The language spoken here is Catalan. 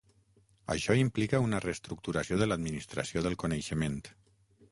Això implica una reestructuració de l'administració del coneixement.